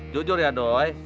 jujur ya doi